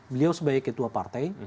beliau sebagai ketua partai